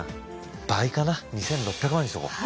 倍かな２，６００万にしとこう。